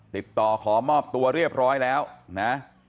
ติดต่อขอมอบตัวเรียบร้อยแล้วนะ